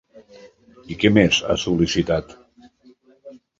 I què més ha sol·licitat?